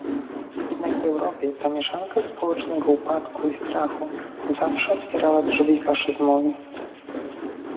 Jednak w Europie ta mieszanka społecznego upadku i strachu zawsze otwierała drzwi faszyzmowi"